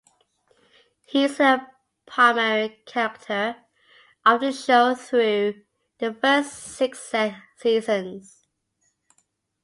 He is a primary character of the show through the first six seasons.